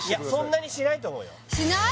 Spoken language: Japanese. そんなにしないと思うよしない？